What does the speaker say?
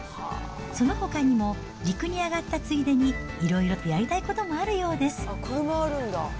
そのほかにも陸に上がったついでにいろいろとやりたいこともあるようです。